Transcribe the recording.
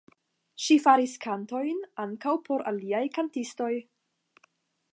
Ŝi faris kantojn ankaŭ por aliaj kantistoj.